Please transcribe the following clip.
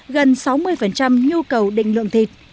gần sáu mươi nhu cầu định lượng thịt